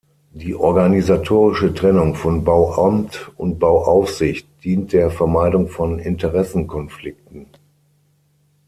Die organisatorische Trennung von Bauamt und Bauaufsicht dient der Vermeidung von Interessenkonflikten.